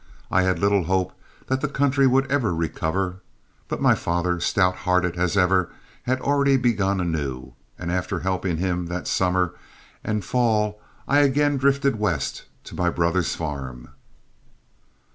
I had little hope that the country would ever recover, but my father, stout hearted as ever, had already begun anew, and after helping him that summer and fall I again drifted west to my brother's farm.